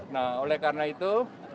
nah oleh karena itu